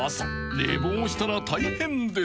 寝坊したら大変です］